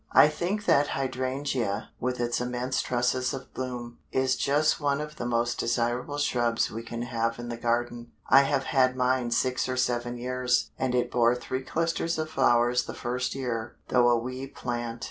I think that Hydrangea, with its immense trusses of bloom, is just one of the most desirable shrubs we can have in the garden. I have had mine six or seven years, and it bore three clusters of flowers the first year, though a wee plant.